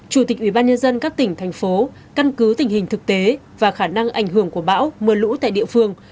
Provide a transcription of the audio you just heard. chủ tịch ủy ban nhân dân các tỉnh thành phố căn cứ tình hình thực tế và khả năng ảnh hưởng của bão mưa lũ tại địa phương